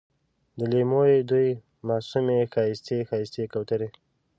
د لېمو یې دوې معصومې ښایستې، ښایستې کوترې